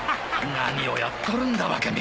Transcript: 何をやっとるんだバカめ！